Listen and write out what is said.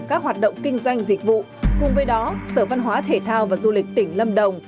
các hoạt động kinh doanh dịch vụ cùng với đó sở văn hóa thể thao và du lịch tỉnh lâm đồng